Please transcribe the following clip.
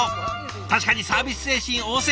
確かにサービス精神旺盛。